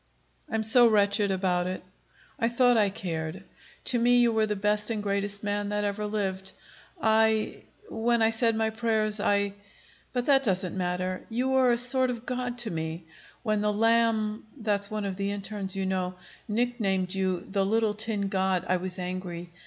"I'm so wretched about it. I thought I cared. To me you were the best and greatest man that ever lived. I when I said my prayers, I But that doesn't matter. You were a sort of god to me. When the Lamb that's one of the internes, you know nicknamed you the 'Little Tin God,' I was angry.